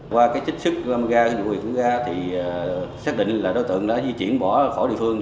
qua cái trích sức lâm ga dụ huyện lâm ga thì xác định là đối tượng đã di chuyển bỏ khỏi địa phương